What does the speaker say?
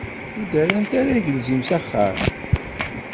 Ur d-terrimt ara agelzim s axxam.